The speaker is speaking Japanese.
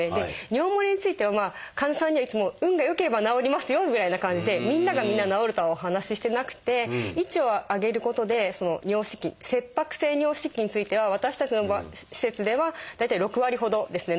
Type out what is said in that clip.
尿もれについてはまあ患者さんにはいつも運が良ければ治りますよぐらいな感じでみんながみんな治るとはお話ししてなくて位置を上げることで尿失禁「切迫性尿失禁」については私たちの施設では大体６割ほどですね